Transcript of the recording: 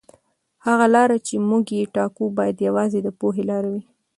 هغه لاره چې موږ یې ټاکو باید یوازې د پوهې لاره وي.